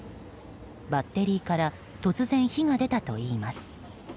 バッテリーから突然、火が出たといいます。